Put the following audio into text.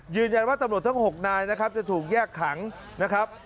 ตำรวจทั้ง๖นายนะครับจะถูกแยกขังนะครับ